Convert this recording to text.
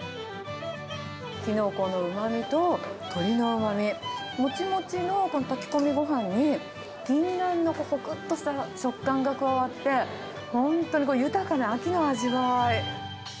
キノコのうまみと鶏のうまみ、もちもちの炊き込みごはんに、ギンナンのこくっとした食感が加わって、本当に豊かな秋の味わい。